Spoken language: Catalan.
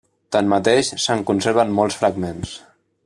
Tanmateix, se'n conserven molts fragments.